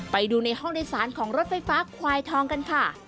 ไปดูในห้องโดยสารของรถไฟฟ้าควายทองกันค่ะ